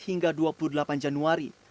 hingga dua puluh delapan januari